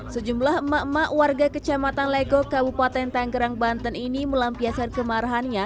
sejumlah emak emak warga kecamatan legok kabupaten tanggerang banten ini melampiaskan kemarahannya